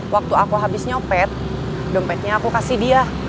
waktu aku habis nyopet dompetnya aku kasih dia